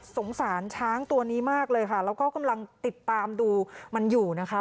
สงสารช้างตัวนี้มากเลยค่ะแล้วก็กำลังติดตามดูมันอยู่นะคะ